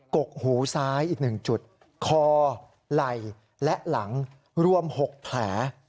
กกหูซ้ายอีก๑จุดคอไหล่และหลังรวม๖แผล